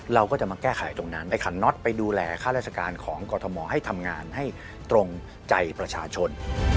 เราก็จะมาแก้ไขตรงนั้นไปขันน็อตไปดูแลค่าราชการของกรทมให้ทำงานให้ตรงใจประชาชน